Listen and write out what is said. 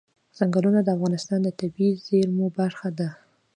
ځنګلونه د افغانستان د طبیعي زیرمو برخه ده.